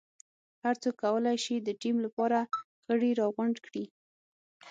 هر څوک کولای شي د ټیم لپاره غړي راغونډ کړي.